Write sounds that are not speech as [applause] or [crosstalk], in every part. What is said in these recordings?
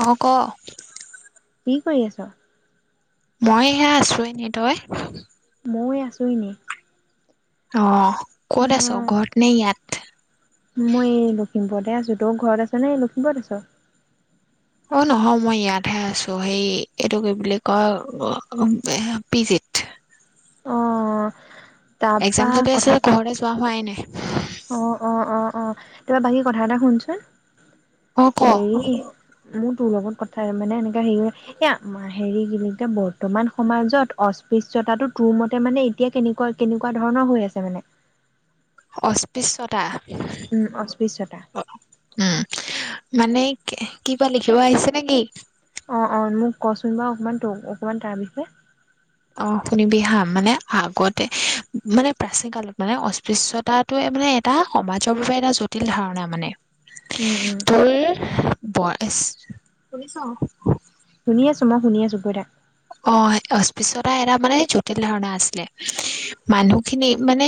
অহ ক। কি কৰি আছ? মইহে আছো এনে তই? মই আছোঁ এনে। অহ ক'ত আছ ঘৰত ন ইয়াত? মই এই লখিমপুৰতে আছো তোৰ ঘৰত আছ নে লখিমপুৰত আছ? অ নহয় মই ইয়াতহে আছো হেই এইটো কি বুলি কয় পিজিত। অ তাৰপা এক্জাম চতে আছে কথা ঘৰতে যোৱা হোৱাই নাই। অ অ অ অ তিবাৰ বাকী কথা এটা শুনচোন। অ ক হেৰি মো তোৰ লগত কথা মানে এনে হেৰি এ হেৰি কি বুলিয়া বৰ্তমান সমাজত অস্পৃশ্য়তাটো তোৰ মতে মানে এতিয়া কেনেকুৱা কেনেকুৱা ধৰণৰ হৈ আছে মানে। অস্পৃশ্যতা। উম অস্পৃশ্যতা। উম মানে কিবা লিখিব আহিছে নেকি? অঁ অঁ মোক কচোন বাৰু অকণমান তোক অকণমান তাৰ বিষয়ে। অ শুনিবি হা মানে আগতে মানে প্ৰাচীন কালত মানে অস্পৃশ্তাটোে মানে এটা সমাজৰ বাবে এটা জটিল ধাৰণা মানে। উম, উম। তোৰ পয়েচ শুনিছ? শুনি আছো মই শুনি আছো কই থাক। অ অস্পৃশতা এটা মানে জটিল ধাৰণা আছিলে মানুহখিনি মানে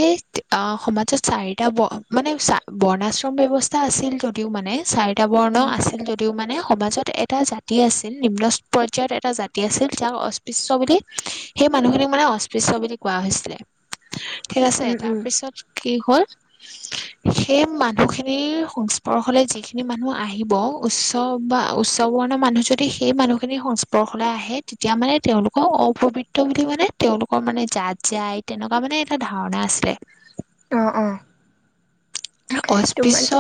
সমাজত চাৰিটা ব মানে চ বৰ্ণাশ্ৰম ব্যৱস্থা আছিল যদিও মানে চ, ব্ৰণ আছিল যদিও মানে, সমাজত এটা জাতি আছিল নিম্ন পৰ্যায়ত এটা জাতি আছিল। যাক অস্পৃশ্য বুলি সেই মানুহখিনিক মানে অস্পৃশ্য বুলি কোৱা হৈছিলে। ঠিক আছে উম, উম। তাৰপিছত, কি হ'ল সেই মানুহখিনিৰ সংস্পৰ্শলৈ যিখিনি মানুহ আহিব উচ্চ বা উচ্চ বৰ্ণৰ মানুহ যদি সেই মানুহখিনিৰ সংস্পৰ্শলৈ আহে, তেতিয়া মানে তেওঁলোকক অপবিত্ৰ বুলি মানে তেওঁলোকৰ মানে যাত যায় তেনেকুৱা মানে এটা ধাৰণা আছিলে। অ অ। তোমাৰ অস্পৃশ্য,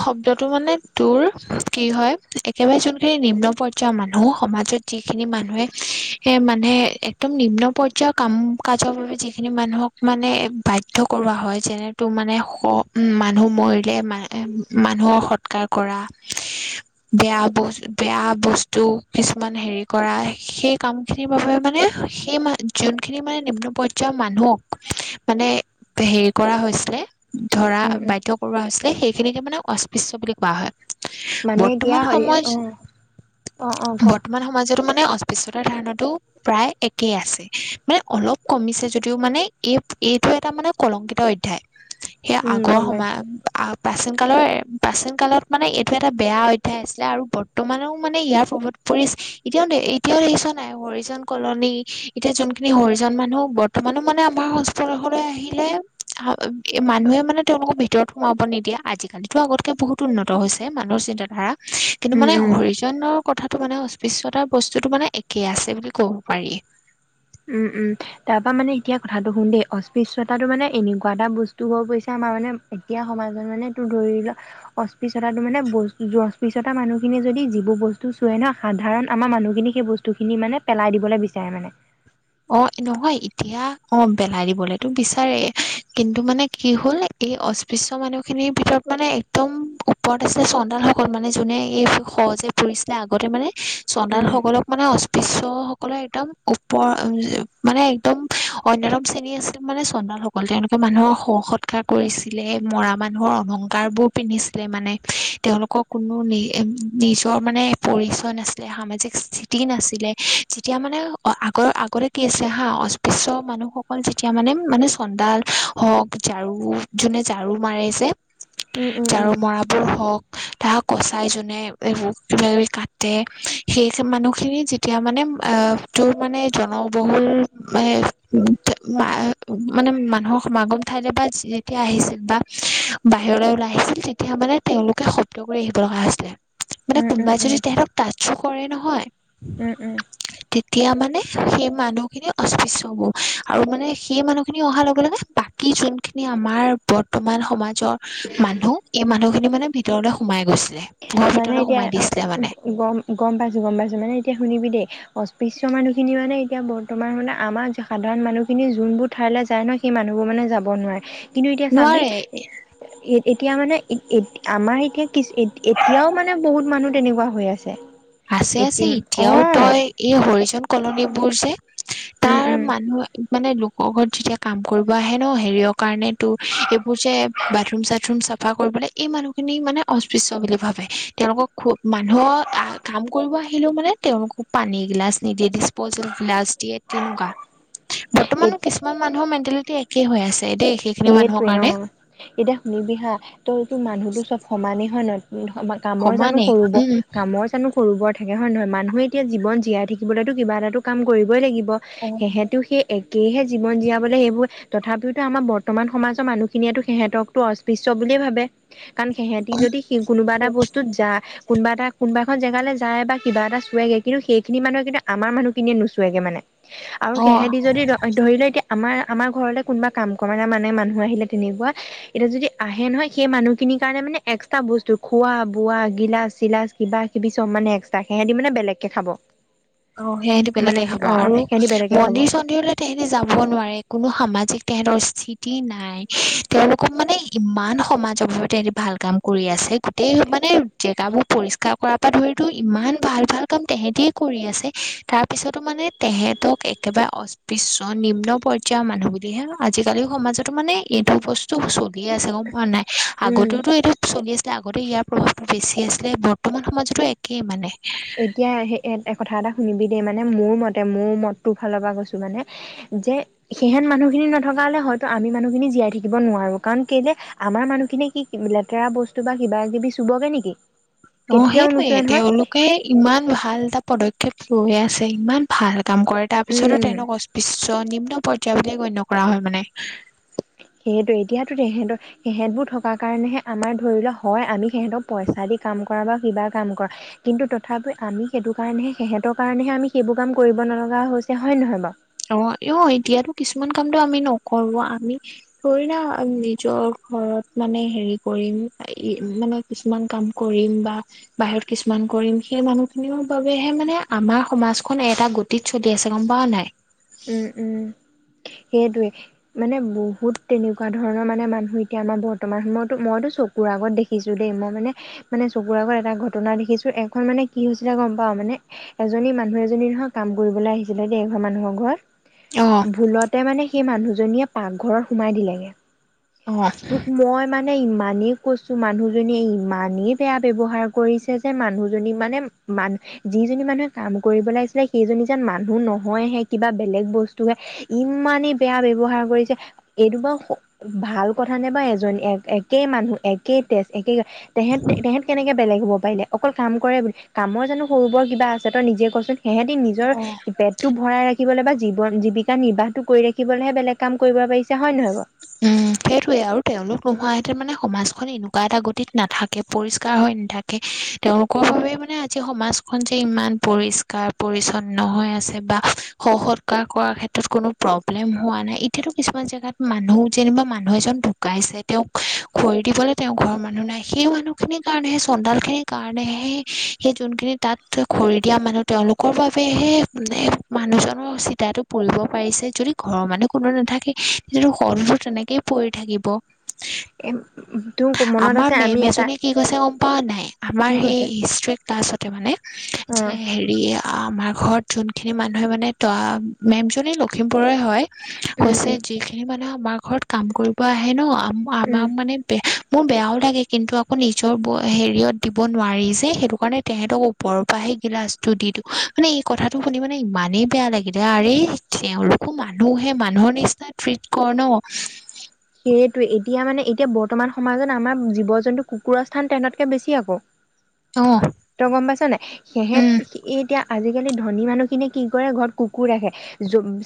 শব্দটো মানে তোৰ কি হয় একেবাৰে যোনখিনি নিম্ন পৰ্যায়ৰ মানুহ সমাজত যিখিনি মানুহে, এ মানে একদম নিম্ন পৰ্যায়ৰ কাম কাজৰ বাবে যিখিনি মানুহক মানে বাধ্য কৰোৱা হয় যেনে তো মানে হ মানুহ মৰিলে মানুহৰ সৎকাৰ কৰা বেয়া বস্তু বেয়া বস্তু কিছুমান হেৰি কৰা, সেই কামখিনিৰ বাবে মানে সেই যোনখিনি মানে নিম্ন পৰ্যায়ৰ মানুহক মানে হেৰি কৰা হৈছিলে। ধৰা উম উম বাধ্য কৰোৱা হৈছিল, সেইখিনিকে মানে অস্পৃশ্য বুলি কোৱা হয়। মানে এতিয়া বৰ্তমান হেৰি সময়ত অ অ অ ক বৰ্তমান সমাজটো মানে, বিশিতাৰ ধাৰণাটো প্ৰায় একেই আছে মানে অলপ কমিছে যদিও মানে এই এইটো এটা মানে কলংকিত অধ্যায়। সেয়া উম আগৰ গম পাইছো। সমাজ। প্ৰাচীন কালৰ প্ৰাচীন কালত মানে এইটো এটা বেয়া অধ্যায় আছিলে আৰু বৰ্তমানেও মানে ইয়াৰ প্ৰভাৱ পৰিছে এতিয়াও, এতিয়া দেখিছ নাই হৰিজন কলনী এতিয়া যোনখিনি হৰিজন মানুহ বৰ্তমানো মানে আমাৰ সংস্পৰ্শলৈ আহিলে মানুহে মানে তেওঁলোকৰ ভিতৰত সোমাব নিদিয়ে আজিকালিতো আগতকে বহুত উন্নত হৈছে মানুহৰ চিন্তাধাৰা, কিন্তু, উম মানে উম হৰিজনৰ, কথাটো মানে অস্পৃশ্যতাৰ বস্তু, যিটো মানে একেই আছে বুলি ক'ব পাৰি, উম উম, তাৰ পা মানে এতিয়া কথাটো শুন দেই অস্পৃশ্যতাটো মানে এনেকুৱা এটা বস্তু হৈ পৰিছে মানে এতিয়া সমাজত মানে ত ধৰি লোৱা অস্পৃশ্যতাটো মানে বস্তু অস্পৃশ্যতা মানুহখিনিয়ে যদি যিবোৰ বস্তু চুৱে না সাধাৰণতে আমাৰ মানুহখিনি সেই বস্তুখিনি মানে পেলাই দিবলে বিচাৰে মানে। অ নহয় এতিয়া অ পেলাই দিবলেটো বিচাৰে কিন্তু মানে কি হ'ল এই অস্পৃশ্য মানুহখিনিৰ ভিতৰত মানে একদম ওপৰত আছিলে চন্দানসকল মানে যোনে এই সহ যে পোহিছিলে আগতে মানে। উম। চন্দানসকলক মানে। পিছৰ সকলে একদম ওপৰ। উম মানে একদম অন্যয়তম শ্ৰেণী আছিল মানে চন্দালসকল তেওঁলোকে মানুহৰ শ সৎকাৰ কৰিছিলে মৰা মানুহৰ অলংকাৰবোৰ পিন্ধিছিলে মানে তেওঁলোকৰ কোনো নি নিজৰ মানে পৰিচয় নাছিলে সামাজিক স্থিতি নাছিলে যেতিয়া মানে। আগৰ আগতে কি আছিলে হা অস্পৃশ্য মানুহসকল যেতিয়া মানে মানে চন্দাল হওক ঝাৰু যোনে ঝাৰু মাৰে যে, উম উম ঝাৰু উম মৰাবোৰ হওক, তাহাক কচাই জোনে এইবোৰ কিবা কিবি কাটে সেই যে মানুহখিনি যেতিয়া মানে আহ তোৰ মানে। জনবহুল মানে মানুহৰ সমাগম ঠাইলৈ বা যেতিয়া আহিছিল বা বাহিৰলৈ ওলাই আহিছিল তেতিয়া মানে তেওঁলোকে শব্দ কৰি আহিব লগা হৈছিলে। মানে উম উম কোনোবাই উম যদি তেহেতক তাচ, চুকৰে নহয়, উম উম এতিয়া মানে, সেই মানুহখিনি অস্পৃশ্য হব আৰু মানে সেই মানুহ খিনি অহাৰ লগে লগে বাকী যোনখিনি আমাৰ বৰ্তমান সমাজৰ মানুহ এই মানুহখিনি মানে ভিতৰলে সোমাই গৈছিলে। ঘৰৰ মানে ভিতৰলৈ এতিয়া সোমাই অ দিছিলে মানে গম পাইছো গম পাইছো মানে এতিয়া শুনিবি দেই, অস্পৃশ্য মানুহখিনি মানে এতিয়া বৰ্তমান মানে আমাৰ সাধাৰণ মানুহখিনি যোনবোৰ ঠাইলৈ যায় ন সেই মানুহবোৰ মানে যাব নোৱাৰে। কিন্তু এতিয়া চাবি, নোৱাৰে এতিয়া মানে এ আমাৰ এতিয়া কি এতিয়াও মানে বহুত মানুহ তেনেকুৱা হৈ আছে এ আছে-আছে, অ এতিয়াও তই এই হৰিজন কলনীবোৰ যে উম তাৰ উম মানুহ মানে লোকৰ ঘৰত যেতিয়া কাম কৰিব আহে ন হেৰিয়ৰ কাৰণে তোৰ এইবোৰ যে বাথৰুম চাথৰুম চাফা কৰিবলৈ এই মানুহখিনি মানে অস্পৃশ্য বুলি ভাবে তেওঁলোকক খু মানুহক আহ কাম কৰিব আহিলেও মানে তেওঁলোকক পানী গিলাচ নিদিয়ে দিছ পজেল গ্লাচ দিয়ে তেনেকুৱা বৰ্তমানো কিছুমান মানুহৰ মে টিয়া লৈকে একেই হৈ আছে দেই সেইখিনি মানুহৰ সেইটোৱে অ কাৰণে এতিয়া শুনিবিহা তই তোৰ মানুহতো চব সমানেই হয় ন কামৰ জানো সমানেই সৰু বৰ কামৰ জানো সৰু বৰ থাকে হয় নে নহয় মান মানুহে এতিয়া জীৱন জীয়াই থাকিবলেতো কিবা এটাটো কাম কৰিবই লাগিব উম সেইহেতু সেই একেহে জীৱন জীয়াবলে সেইবোৰ তথাপিটো আমাৰৰ বৰ্তমান সমাজৰ মানুহখিনিয়েতো সিহঁতকতো অস্পৃশ্য বুলিয়ে ভাবে কাৰণ সিহঁতি যদি কোনোবা এটা বস্তুত যা কোনোবা এটা কোনোবা এখন জেগালে যায় বা কিবা এটা চোৱেগ কিন্তু সেইখিনি মানুহে কিন্তু আমাৰ মানুহখিনিয়ে নোচোৱেগ মানে। আৰু অ অ সেহেদি যদি ধৰি লয়। এতিয়া আমাৰ আমাৰ ঘৰতে কোনোবা কাম মানে মানুহ আহিলে তেনেকুৱা এতিয়া যদি আহে নহয় সেই মানুহখিনিৰ কাৰণে মানে এক্সট্ৰা বস্তু খোৱা বোৱা গিলাচ চিলাচ কিবা কিবি চব মানে এক্সট্ৰাকে সিহঁতি মানে বেলেগকে খাব। অ সেহটো মানে বেলেগে খাব অ আৰু সিহঁতি বেলেগকে খাব মন্দিৰ চন্দিৰলৈ তোহেতে যাব নোৱাৰে কোনো সামাজিক তেহেতৰ সিতি নাই তেওঁলোকক মানে ইমান সমাজৰ বাবে তেহেতি ভাল কাম কৰি আছে গোটেই মানে জেগাবোৰ পৰিষ্কাৰ কৰাৰ পৰা ধৰিতো ইমান ভাল ভাল কাম তেহেঁতি কৰি আছে। তাৰ পিছতো মানে তেহেতক একেবাৰে অস্পৃশ্য নিম্ন পৰ্যায়ৰ মানুহ বুলিহে আজিকালি সমাজতো মানে এইটো বস্তু চলি আছে গম পোৱা নাই উম আগতেওতটো এইটো চলি আছিলে। আগতে ইয়াৰ প্ৰভাৱটো বেছি আছিলে বৰ্তমান সমাজতো একেই মানে এতিয়া স কথা এটা শুনিবি দেই মানে মোৰ মতে মোৰ মতটোৰ ফালৰ পৰা কৈছো মানে যে সেইহেন মানুহখিনি নথকা হলে হয়তো আমি মানুহখিনি জীয়াই থাকিব নোৱাৰো কাৰণ কেলে আমাৰ মানুহখিনিয়ে কি লেতেৰা বস্তু বা কিবা কিবি চুবগে নেকি। অ কেতিয়াও সেইটো নুচুৱে নহয় তেওঁলোকে ইমান ভাল এটা পদক্ষেপ লৈ আছে ইমান ভাল কাম কৰে তাৰপিছতো উম তেওঁক অস্পৃশ্য নিম পৰ্য্যায়বুলিয়ে গণ্য কৰা হয় মানে সেইয়েতো এতিয়াতো তেহেঁতৰ তেহেঁত বোৰ থকা কাৰণেহে আমাৰ ধৰি লোৱা হয়। আমি সিহঁতক পইচা দি কাম কৰা বা কিবা কাম কৰা কিন্তু তথাপিও আমি সেইটো কাৰণেহে সিহঁতৰ কাৰণেহে আমি সেইবোৰ কাম কৰিব নলগা হৈছে হয় নহয় বাৰু অ অ এতিয়াতো কিছুমান কামটো আমি নকৰো আমি থৰে না নিজৰ ঘৰত মানে হেৰি কৰিম মানে কিছুমান কাম কৰিম বা বাহিৰত কিছুমান কৰিম সেই মানুহখিনিৰ বাবেহে মানে আমাৰ সমাজখন এটা গতিত চলি আছে গম পোৱা নাই। উম উম সেইটোৱে মানে বহুত তেনেকুৱা ধৰণৰ মানে মানুহ এতিয়া আমাৰ বৰ্তমান সময়তো মইতো চকুৰ আগত দেখিছো দেই মই মানে মানে চকুৰ আগত এটা ঘটনা দেখিছো এঘৰ মানে কি হৈছিলে গম পাওঁ মানে এজনী মানুহ এজনী নহয় কাম কৰিবলৈ আহিছিলে দেই এঘ মানুহৰ ঘৰত অ [inaudible] ভুলতে মানে সেই মানুহ জনীয়ে পাকঘৰৰত সোমাই দিলেগে অ তোক মই মানে ইমানেই কৈছো মানুহজনীয়ে ইমানেই বেয়া ব্যৱহাৰ কৰিছে যে মানুহজনী মানে মানু যিজনী মানুহে কাম কৰিব আহিছিলে সেইজনী যেন মানুহ নহয়হে কিবা। বেলেগ বস্তুৱে ইমানেই বেয়া ব্যৱহাৰ কৰিছে এইটো বাৰু ভাল কথা নে বা এজনী একে মানুহ একে তেজ একে তেহেত তেহেত কেনেকে বেলেগ হ'ব পাৰিলে অকল কাম কৰে বুলি কামৰ জানোঁ সৰুবৰ কিবা আছে তই নিজে কচোন। সিহেতি নিজৰ অ পেটটো ভৰাই ৰাখি। জীয়াই থাকিবলৈ বা জীৱন জীৱিকা নিৰ্বাহটো কৰি ৰাখিবলৈহে বেলেগ কাম কৰিব পাৰিছে হয় নহয় বাৰু উম সেইটোৱেয়ে আৰু তেওঁলোক নোহোৱাহেঁতেন মানে সমাজখন এনেকুৱা এটা গতিত নাথাকে পৰিষ্কাৰ হৈ নাথাকে তেওঁলোকৰ বাবে মানে আজি সমাজখন যে ইমান পৰিস্কাৰ পৰিছন্ন হৈ আছে বা সসৎকাৰ কৰাৰ ক্ষেত্ৰত কোনো প্ৰব্লেম হোৱা নাই এতিয়াতো কিছুমান জেগাত মানুহ। যেনিবা মানুহ এজন ঢুকাইছে তেওঁক খৰি দিবলৈ তেওঁ ঘৰৰ মানুহ নাই সেই মানুহখিনিৰ কাৰণে সেই চন্দালখিনিৰ কাৰণেহে সেই যোনখিনি তাত খৰি দিয়া মানুহ তেওঁলোকৰ বাবেহে মানুহজনৰ চিতাটো পুৰিব পাৰিছে যদি ঘৰৰ মানুহ কোনো নাথাকে সৰনো। তেনেকেই পৰি থাকিব। এম আমাৰ মেম এজনীয়ে কি কৈছে গম পাৱ নাই আমাৰ কি সেই কৈছে হিষ্ট ক্লাছতে মানে অ যে হেৰি। আমাৰ ঘৰত যোনখিনি মানুহে মানে ত মেমজনী লখিমপুৰৰে হয়। উম কৈছে উম যিখিনি মানুহে আমাক। ঘৰত কাম কৰিব আহে ন। উম আমাৰ মানে। মোৰ বেয়াও লাগে কিন্তু আকৌ নিজৰ হেৰিয়ত দিব নোৱাৰি যে সেইটো কাৰণে তেহেতক ওপৰৰ পৰা সেই গিলাচটো দি দিওঁ মানে এই কথাটো শুনি মানে ইমানেই বেয়া লাগিলে আৰে তেওঁলোকো মানুহহে মানুহৰ নিচিনা ট্ৰিট কৰ ন। সেইটোৱে এতিয়া মানে এতিয়া বৰ্তমান সমাজত আমাৰ জীৱ জন্তু কুকুৰ স্থান তেহেতকে বেছি আকৌ। অ তই গম পাইছ নাই উম সিহেতি এতিয়া। আজিকালি ধনী মানুহখিনিয়ে কি কৰে ঘৰত কুকুৰ ৰাখে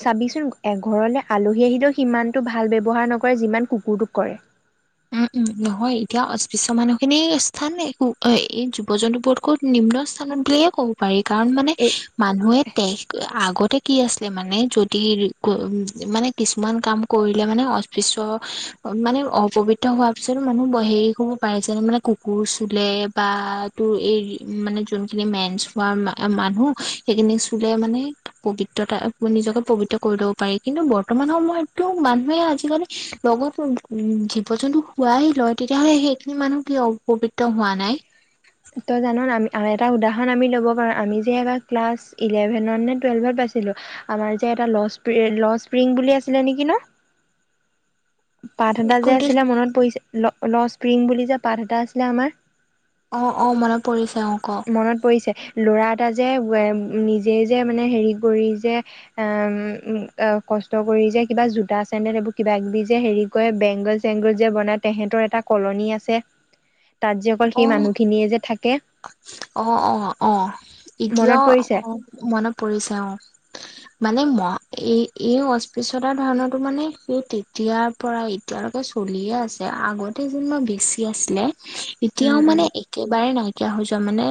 চাবিচোন ঘৰলৈ আলহী আহিলেও সিমানতটো ভাল ব্যৱহাৰ নকৰে। নকৰে যিমান কুকুৰটোক কৰে উম উম নহয় এতিয়া অস্পৃশ্য মানুহখিনি স্থান এক এই জীৱ জন্তুবোৰতকো নিম্ন স্থানত বুলিয়ে ক'ব পাৰি। কাৰণ মানে এ মানুহে তে আগত। কি আছিলে মানে যদি উম মানে কিছুমান কাম কৰিলে মানে অস্পৃশ্য মানে অপবিত্ৰ। হোৱাৰ পিছত মানুহ হেৰি কৰিব পাৰে যে মানে কুকুৰ চুলে বা তোৰ এই মানে যোনখিনি মেনচ হোৱা মানুহ সেইখিনি চুলে মানে পবিত্ৰতা নিজকত পবিত্ৰ কৰি ল'ব পাৰি কিন্তু বৰ্তমান সময়তটো মানুহে আজিকালি লগত উম। জীৱ জন্তু শুৱাই লয় তেতিয়া হ'লে সেইখিনি মানুহ কিয় অপবিত্ৰ হোৱা নাই। তই জান আমি এটা উদাহৰণ আমি ল'ব পাৰোঁ আমি যে এবাৰ ক্লাছ ইলেভেনত নে টুৱেলভত পাইছিলোঁ আমাৰ যে এটা ল ল স্প্ৰিং বুলি আছিলে নেকি ন। পাঠ এটা যে কোনটো আছিলে মনত পৰিছে ল। লস্প্ৰিং বুলি যে পাত এটা আছিলে আমাৰ। অ অ মনত পৰিছে। অ ক মনত পৰিছে ল'ৰা। এটা যে নিজে যে মানে হেৰি কৰি যে আহ কষ্ট কৰি যে কিবা জোতা চেণ্ডেল এইবোৰ কিব কিবি যে হেৰি কৰে বেংগল চেংগল যে বনাই তেহেতৰ এটা কলনি আছে। তাত যে অকল অ সেই মানুহখিনিয়ে যে থাকে। অ অ অ মনত এতিয়াও পৰিছে অ মনত পৰিছে অ। মানে ম এই এই অস্পৃশতাৰ ধাৰণাতো মানে সেই তেতিয়াৰ পৰা এতিয়ালৈকে চলিয়ে আছে আগতে যেনিবা বেচি আছিলে। এতিয়াও উম উম মানে একেবাৰে নহয়। হৈ যোৱা মানে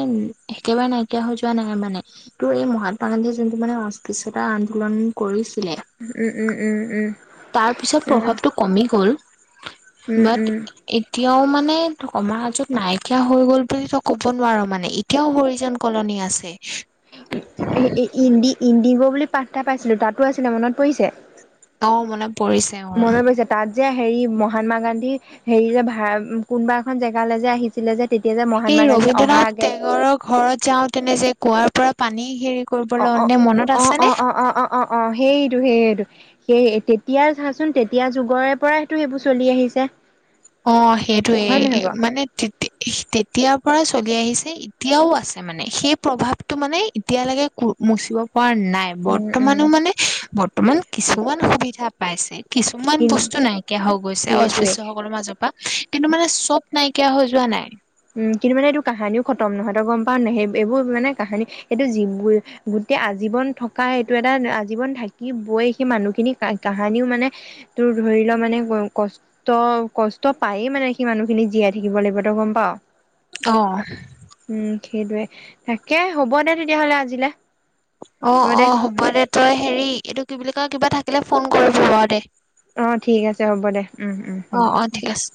একেবাৰে নাইকিয়া হৈ যোৱা নাই মানে ত' এই মহাত্মা গান্ধীয়ে যোনটো মানে অস্পৃশ্যতা আন্দোলন কৰি। উম উম উম উম তাৰ পিছত উম প্ৰভাৱটো কমিল গল উম বাট উম এতিয়া এতিয়াও মানে আমাৰ অমৰ ৰাজত নাইকিয়া হৈ গল বুলি তই ক'ব নোৱাৰো মানে এতিয়াও হৰিজান কলনী আছে ইন্দিগৌ ইন্দিগৌ বুলি পাঠ এটা পাইছিলো তাতো আছিলে মনত পৰিছে অহ মনত পৰিছে অ মনত পৰিছে তাত যে হেৰি মহাত্মা গান্ধী হেৰি যে ভা কোনোবা এখন জেগালৈ যে আহিছিলে যে তেতিয়া যে এই মহাত্মা গান্ধী অহা ৰবীন্দ্ৰনাথ আগে টেগৰৰ ঘৰত যাওঁ তেনে যে কুঁৱাৰ পৰা পানী হেৰি অ অ কৰিবলৈ মনত অ আছেনে? অ অ অ অ অ অ সেইটো সেইটো সেই তেতিয়া চাচোন তেতিয়া যুগৰে পৰাটো সেইবোৰ চলি আহিছে অ সেইটোৱে হয় নহয় বাৰু মানে তেতিয়া পৰা চলি আহিছে এতিয়াও আছে মানে সেই প্ৰভাৱটো মানে এতিয়ালৈকে কো মুচিব পৰা নাই উম বৰ্তমানো উম মানে বৰ্তমান কিছুমান সুবিধা পাইছে কিছুমান কি বস্তু নাইকিয়া হৈ গৈছে সেইটোৱে অস্পৃশ্যসকলৰ মাজত কিন্তু মানে চব নাইকিয়া হৈ যোৱা নাই উম কিন্তু মানে এইটো কাহানিও খতম নহয় তই গম পাৱ নাই সেই এইবোৰ মানে কাহানী এইটো গোটেই আজীৱন থকা এইটো এটা আজীৱন থাকিবই সেই মানুহখিনি কাহানিও মানে তোৰ ধৰি ল মানে কষ্ট কষ্ট পায়ে মানে সেই মানুহখিনি জীয়াই থাকিব লাগিব তই গম পাৱই অহ সেইটোৱে তাকে হ'ব দে তেতিয়াহ'লে আজিলে অ অ হ'ব দে তই হেৰি এইটো কি বুলি কয় কিবা থাকিলে ফোন কৰিব বাৰু দে অ ঠিক আছে হ'ব দে উম উম অ হ'ব অ ঠিক আছে